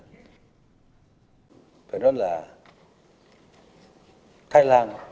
vì vậy phải nói là thái lan